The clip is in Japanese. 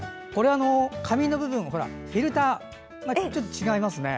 紙の部分、フィルターがちょっと違いますね。